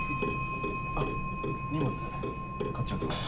あっ荷物こっち置きます。